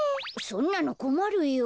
そんなのこまるよ。